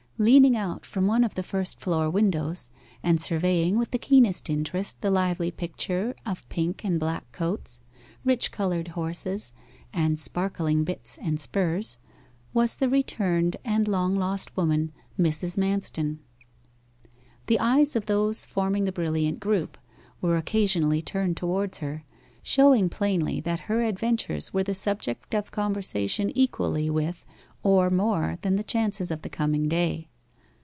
Leaning out from one of the first floor windows, and surveying with the keenest interest the lively picture of pink and black coats, rich coloured horses, and sparkling bits and spurs, was the returned and long lost woman, Mrs. Manston. The eyes of those forming the brilliant group were occasionally turned towards her, showing plainly that her adventures were the subject of conversation equally with or more than the chances of the coming day.